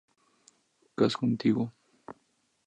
Casco antiguo.